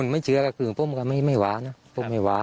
ไม่เชื้อก็คือคือไม่ว้าไม่ว้า